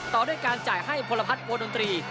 ต่อด้วยการจ่ายให้พลพัฒน์วงดนตรี